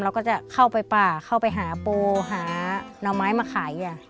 เราก็จะเข้าไปป่าเข้าไปหาปูหาหน่อไม้มาขาย